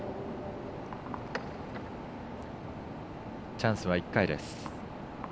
チャンスは１回です。